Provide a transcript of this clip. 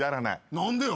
何でよ。